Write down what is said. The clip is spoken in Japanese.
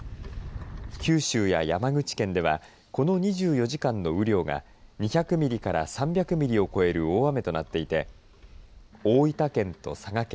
九州や山口県ではこの２４時間の雨量が２００ミリから３００ミリを超える大雨となっていて大分県と佐賀県